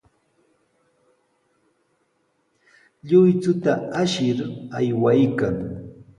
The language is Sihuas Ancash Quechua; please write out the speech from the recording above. Lluychuta ashir aywaykan.